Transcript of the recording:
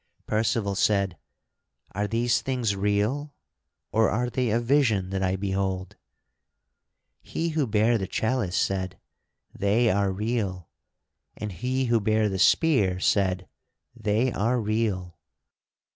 Percival said: "Are these things real or are they a vision that I behold?" He who bare the chalice said, "They are real." And he who bare the spear said, "They are real."